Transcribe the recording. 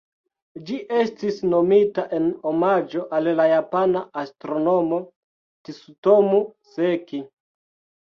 Ĝi estis nomita en omaĝo al la japana astronomo Tsutomu Seki.